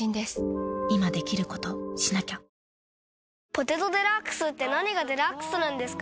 「ポテトデラックス」って何がデラックスなんですか？